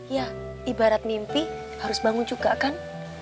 ya ibarat mimpi harus bangun juga kan